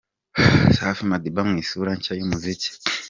Safi Madiba mu isura nshya y'umuziki.